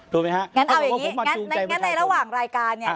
ถูกไหมฮะงั้นเอาอย่างนี้งั้นในระหว่างรายการเนี่ย